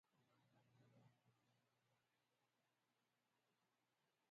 Samyukt Kisan Morcha would now like to clarify strongly.